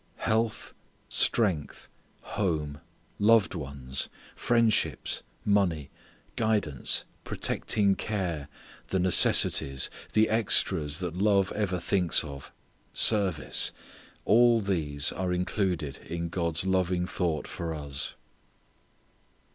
Health, strength, home, loved ones, friendships, money, guidance, protecting care, the necessities, the extras that love ever thinks of, service all these are included in God's loving thought for us.